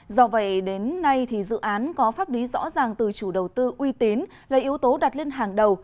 do vậy đến nay dự án có pháp lý rõ ràng từ chủ đầu tư uy tín là yếu tố đặt lên hàng đầu